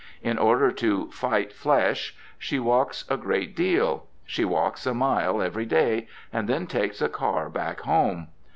In order to "fight flesh" she walks a great deal. She walks a mile every day, and then takes a car back home.